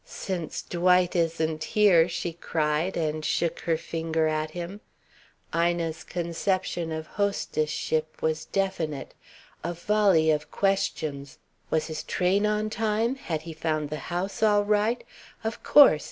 "Since Dwight isn't here!" she cried, and shook her finger at him. Ina's conception of hostess ship was definite: A volley of questions was his train on time? He had found the house all right? Of course!